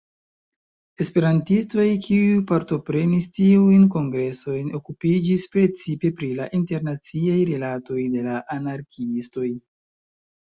Esperantistoj, kiuj partoprenis tiujn kongresojn, okupiĝis precipe pri la internaciaj rilatoj de la anarkiistoj.